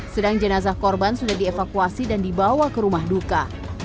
sedang jenazah korban sudah dievakuasi dan dibawa ke rumah duka